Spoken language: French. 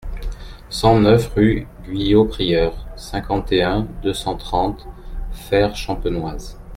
cent neuf rue Guyot Prieur, cinquante et un, deux cent trente, Fère-Champenoise